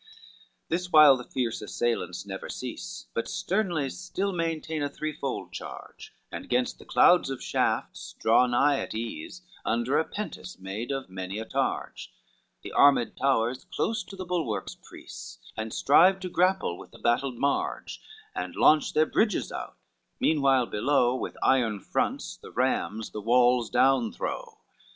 LXXI This while the fierce assailants never cease, But sternly still maintain a threefold charge, And gainst the clouds of shafts draw nigh at ease, Under a pentise made of many a targe, The armed towers close to the bulwarks press, And strive to grapple with the battled marge, And launch their bridges out, meanwhile below With iron fronts the rams the walls down throw.